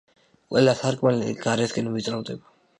ყველა სარკმელი გარეთკენ ვიწროვდება.